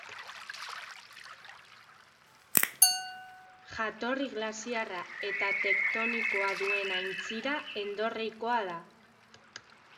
Jatorri glaziarra eta tektonikoa duen aintzira endorreikoa da.